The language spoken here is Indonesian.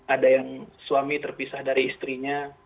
ada yang suami terpisah dari istrinya